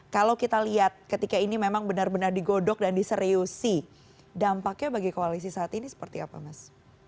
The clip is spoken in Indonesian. kalau kita lihat ketika ini memang benar benar digodok dan diseriusi dampaknya bagi koalisi saat ini seperti apa mas